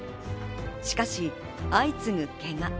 しかし相次ぐ、けが。